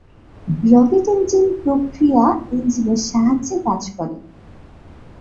Rocket engine প্রতিক্রিয়া ইঞ্জিনের সাহায্যে কাজ করে।